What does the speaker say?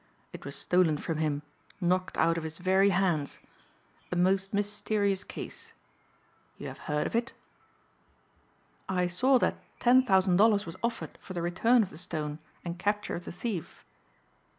It was stolen from him, knocked out of his very hands. A most mysterious case. You have heard of it?" "I saw that ten thousand dollars was offered for the return of the stone and capture of the thief."